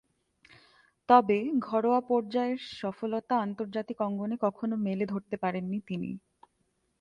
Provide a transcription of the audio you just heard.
তবে, ঘরোয়া পর্যায়ের সফলতা আন্তর্জাতিক অঙ্গনে কখনো মেলে ধরতে পারেননি তিনি।